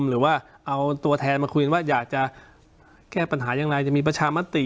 หรือว่าเอาตัวแทนมาคุยกันว่าอยากจะแก้ปัญหาอย่างไรจะมีประชามติ